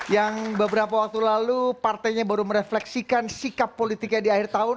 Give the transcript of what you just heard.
yang beberapa waktu lalu partainya baru merefleksikan sikap politiknya di akhir tahun